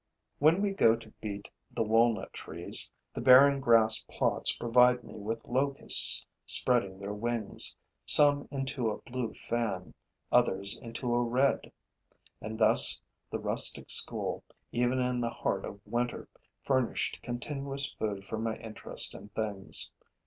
When we go to beat the walnut trees, the barren grass plots provide me with locusts spreading their wings, some into a blue fan, others into a red. And thus the rustic school, even in the heart of winter, furnished continuous food for my interest in things.